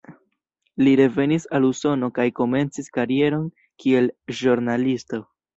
Li revenis al Usono kaj komencis karieron kiel ĵurnalisto.